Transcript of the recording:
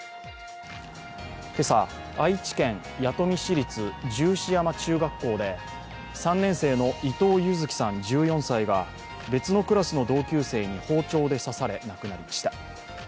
今朝、愛知県弥富市立十四山中学校で３年生の伊藤柚輝さん１４歳が別のクラスの同級生に包丁で刺され亡くなりました。